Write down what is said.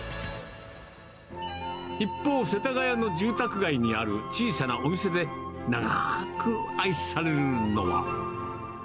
一方、世田谷の住宅街にある小さなお店で、長ーく愛されるのは。